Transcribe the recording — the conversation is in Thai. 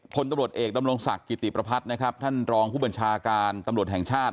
พลตำรวจเอกดำรงศักดิ์กิติประพัฒน์นะครับท่านรองผู้บัญชาการตำรวจแห่งชาติ